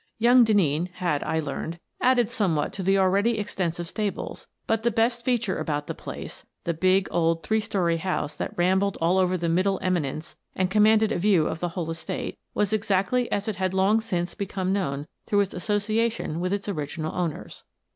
Young Denneen had, I learned, added somewhat to the already ex tensive stables, but the best feature about the place — the big, old, three story house that rambled all over the middle eminence and commanded a view of the whole estate — was exactly as it had long since become known through its association with its original owners.